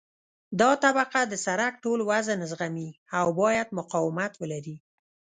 دا طبقه د سرک ټول وزن زغمي او باید مقاومت ولري